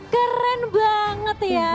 keren banget ya